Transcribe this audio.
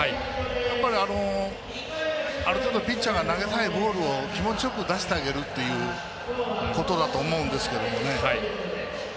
やっぱり、ある程度ピッチャーが投げたいボールを気持ちよく出してあげるということだと思うんですけどね。